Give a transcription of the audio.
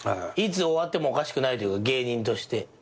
いつ終わってもおかしくないというか芸人として。